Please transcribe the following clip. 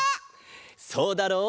そうだろう？